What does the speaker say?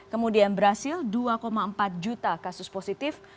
kemudian brazil dua empat juta kasus positif